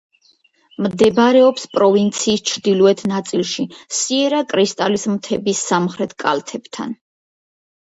მდებარეობს პროვინციის ჩრდილოეთ ნაწილში, სიერა-კრისტალის მთების სამხრეთ კალთებთან.